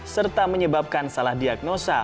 serta menyebabkan salah diagnosa